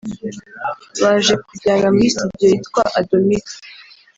Baje kujyana muri studio yitwa Adomix